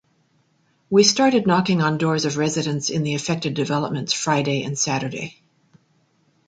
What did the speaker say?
We started knocking on doors of residents in the affected developments Friday and Saturday.